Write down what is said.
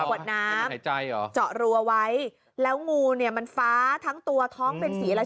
ขวดน้ำเจาะรัวไว้แล้วงูเนี่ยมันฟ้าทั้งตัวท้องเป็นสีอะไร